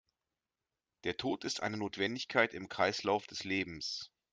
Der Tod ist eine Notwendigkeit im Kreislauf des Lebens.